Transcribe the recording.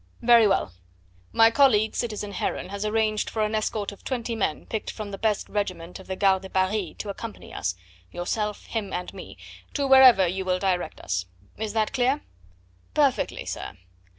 "Very well. My colleague, citizen Heron, has arranged for an escort of twenty men picked from the best regiment of the Garde de Paris to accompany us yourself, him and me to wherever you will direct us. Is that clear?" "Perfectly, sir."